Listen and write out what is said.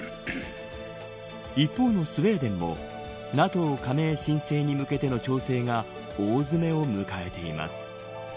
一方のスウェーデンもＮＡＴＯ加盟申請に向けての調整が大詰めを迎えています。